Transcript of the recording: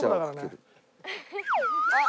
あっ。